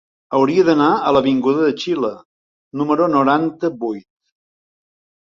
Hauria d'anar a l'avinguda de Xile número noranta-vuit.